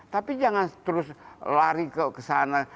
tapi jangan terus lari ke sana